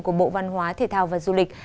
của bộ văn hóa thể thao và du lịch